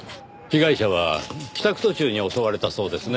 被害者は帰宅途中に襲われたそうですねぇ。